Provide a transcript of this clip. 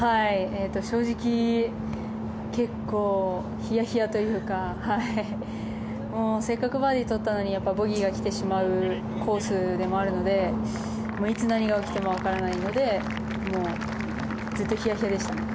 正直結構、ヒヤヒヤというかせっかくバーディーを取ったのにボギーが来てしまうコースでもあるのでいつ何が起きるかわからないのでずっとヒヤヒヤでした。